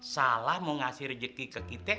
salah mau ngasih rejeki ke kita